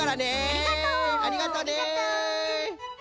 ありがとう！